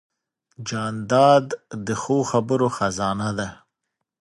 جانداد د ښو خبرو خزانه ده.